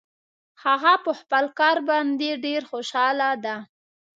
هغه په خپل کار باندې ډېر خوشحاله ده